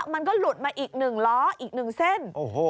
มันก็หลุดมาอีกหนึ่งล้ออีกหนึ่งเส้น